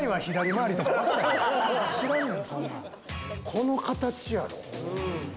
この形やろ。